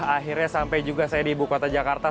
akhirnya sampai juga saya di ibu kota jakarta